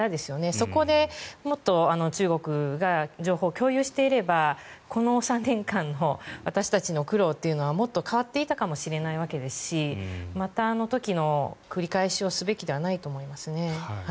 そこでもっと中国が情報を共有していればこの３年間の私たちの苦労というのはもっと変わっていたかもしれないわけですしまたあの時の繰り返しをすべきではないと思いますね。